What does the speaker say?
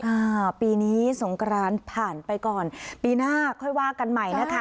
อ่าปีนี้สงกรานผ่านไปก่อนปีหน้าค่อยว่ากันใหม่นะคะ